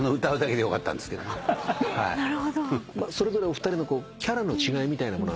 それぞれお二人のキャラの違いみたいなものは。